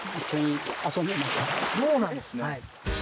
そうなんですね。